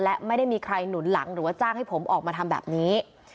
และไม่ได้มีใครหนุนหลังหรือว่าจ้างให้ผมออกมาทำแบบนี้